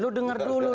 lu dengar dulu